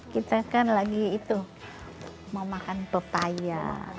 kita kan lagi itu mau makan pepaya